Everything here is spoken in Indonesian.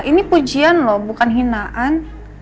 ini pujian loh bukan hinaan